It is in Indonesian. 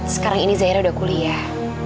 sekarang ini zaira udah kuliah